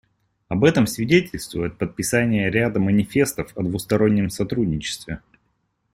Об этом свидетельствует подписание ряда манифестов о двустороннем сотрудничестве.